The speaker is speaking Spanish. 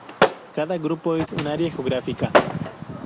Cada grupo es un área geográfica.